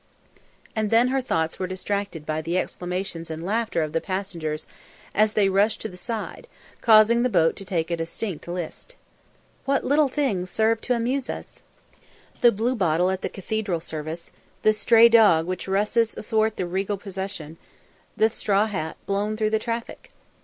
And then her thoughts were distracted by the exclamations and laughter of the passengers as they rushed to the side, causing the boat to take a distinct list. What little things serve to amuse us! The bluebottle at the Cathedral service; the stray dog which rushes athwart the regal procession; the straw hat blown through the traffic!